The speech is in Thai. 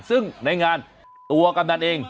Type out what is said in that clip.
ซึ่งในงานตัวกำนันเอง